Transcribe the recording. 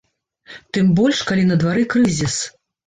Тым больш, калі на двары крызіс.